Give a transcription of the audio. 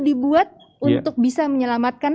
dibuat untuk bisa menyelamatkan